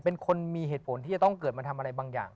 เป็นคนมีเหตุผลที่จะต้องเกิดมาทำอะไรบางอย่าง